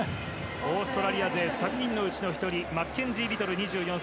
オーストラリア勢３人のうちの１人マッケンジー・リトル、２４歳。